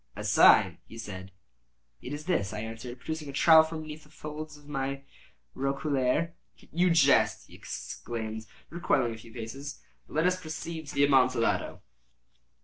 "A sign," he said. "It is this," I answered, producing a trowel from beneath the folds of my roquelaire. "You jest," he exclaimed, recoiling a few paces. "But let us proceed to the Amontillado."